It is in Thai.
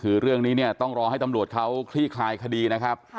คือเรื่องนี้เนี่ยต้องรอให้ตำรวจเขาคลี่คลายคดีนะครับ